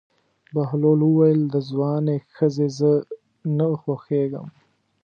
بهلول وویل: د ځوانې ښځې زه نه خوښېږم.